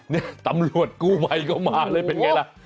เนี่ยตำรวจกู้ไพใกล้เข้ามาเลยเป็นไงล่ะ